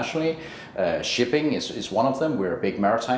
tapi ada juga area seperti